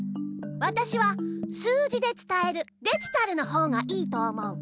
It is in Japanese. わたしは数字でつたえるデジタルのほうがいいと思う。